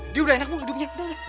dia udah enakmu hidupnya